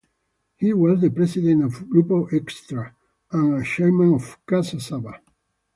He was the president of Grupo Xtra and chairman of Casa Saba.